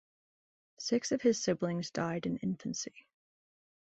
Six of his siblings died in infancy.